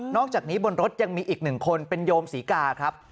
อกจากนี้บนรถยังมีอีกหนึ่งคนเป็นโยมศรีกาครับ